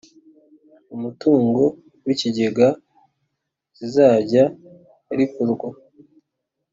umutungo w ikigega zizajya rikorwa